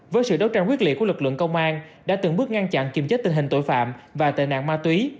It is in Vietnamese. với sự đấu tranh quyết liệt của lực lượng công an đã từng bước ngăn chặn kiềm chế tình hình tội phạm và tệ nạn ma túy